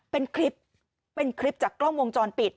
เป็นคลิปเป็นคลิปจากกล้องวงจรปิด